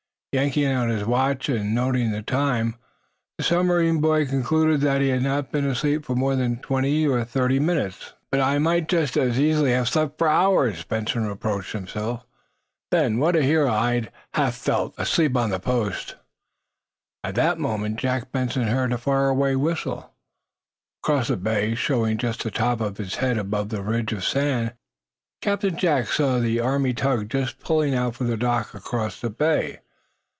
Yanking out his watch and noting the time, the submarine boy concluded that he had not been asleep more than twenty or thirty minutes. "But I might just as easily have slept for hours," Benson reproached himself. "Then what a hero I'd have felt. Asleep on post!" At that moment Jack Benson heard a faraway whistle, across the bay. Showing just the top of his head above a ridge of sand, Captain Jack saw the Army tug just pulling out from the dock across the bay.